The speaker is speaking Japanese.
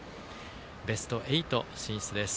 ベスト８進出です。